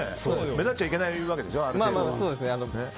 目立っちゃいけないわけでしょ。